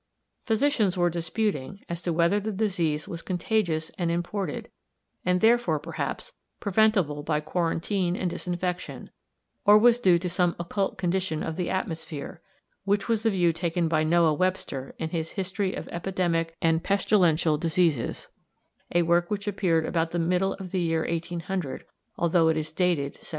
Physicians were disputing as to whether the disease was contagious and imported, and, therefore, perhaps, preventable by quarantine and disinfection, or was due to some occult condition of the atmosphere (which was the view taken by Noah Webster in his "History of Epidemic and Pestilential Diseases," a work which appeared about the middle of the year 1800, although it is dated 1789).